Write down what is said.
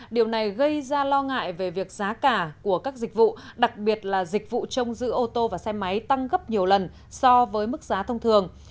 điều này gây ra lo ngại về việc giá cả của các dịch vụ đặc biệt là dịch vụ trông giữ ô tô và xe máy tăng gấp nhiều lần so với mức giá thông thường